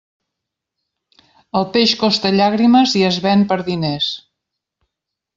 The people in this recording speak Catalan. El peix costa llàgrimes i es ven per diners.